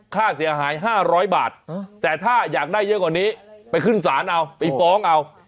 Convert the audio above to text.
ค่าเสียหาย๕๐๐บาทแต่ถ้าอยากได้เยอะกว่านี้ไปขึ้นศาลเอาไปฟ้องเอา